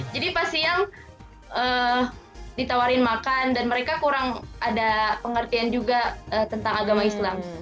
jadi pas siang ditawarin makan dan mereka kurang ada pengertian juga tentang agama islam